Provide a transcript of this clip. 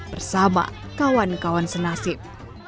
bersama kawan kawan senasib